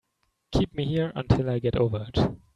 Keep me here until I get over it.